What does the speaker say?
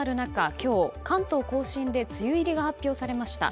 今日、関東・甲信で梅雨入りが発表されました。